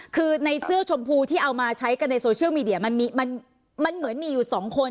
คือในเสื้อชมพูที่เอามาใช้กันในโซเชียลมีเดียมันเหมือนมีอยู่สองคน